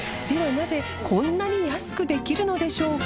なぜこんなに安くできるのでしょうか？